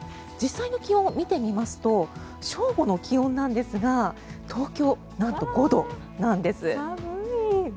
実際の気温を見てみますと正午の気温なんですが東京、何と５度なんです。